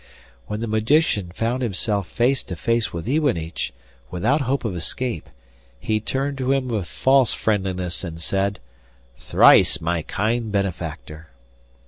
When the magician found himself face to face with Iwanich, without hope of escape, he turned to him with false friendliness and said: 'Thrice my kind benefactor!